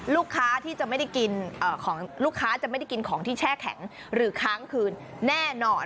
ลูกค้าที่จะไม่ได้กินของที่แช่แข็งหรือค้างคืนแน่นอน